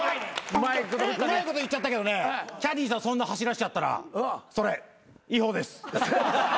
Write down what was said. うまいこと言っちゃったけどねキャディーさんそんな走らせちゃったらそれ違法です。